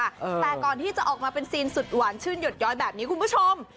แต่ก่อนที่จะออกมาเป็นซีนสุดหวานชื่นหยดย้อยแบบนี้คุณผู้ชม